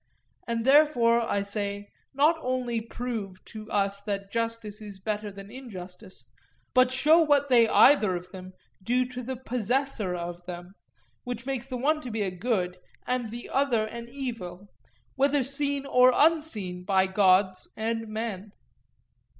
And therefore, I say, not only prove to us that justice is better than injustice, but show what they either of them do to the possessor of them, which makes the one to be a good and the other an evil, whether seen or unseen by gods and men.